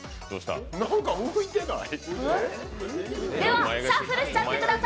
なんか浮いてない？